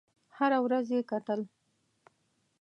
هره ورځ یې کتل.